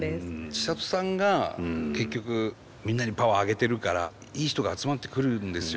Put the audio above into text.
チサトさんが結局みんなにパワーあげてるからいい人が集まってくるんですよ。